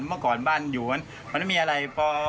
เมื่อก่อนบ้านอยู่มันไม่มีอะไรพอ